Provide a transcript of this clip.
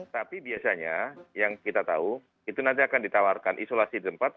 tapi biasanya yang kita tahu itu nanti akan ditawarkan isolasi di tempat